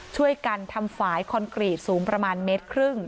ช่วยกันทำฝ่ายคอนกรีตสูงประมาณเมตรครึ่ง